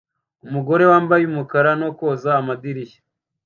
Umugore wambaye umukara no koza amadirishya